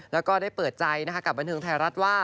แล้วก็ได้เปิดใจกับบันเทิงไทยรัฐว่า